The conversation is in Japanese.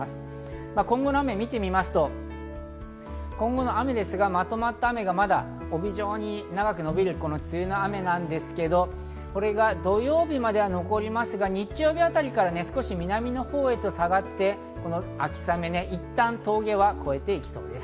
今後の雨を見てみますと、まとまった雨がまだ帯状に長く伸びる梅雨の雨なんですけど、これが土曜日まで残りますが日曜日あたりから少し南のほうへと下がって、この秋雨、いったん峠は越えていきそうです。